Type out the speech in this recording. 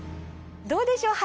どうでしょう？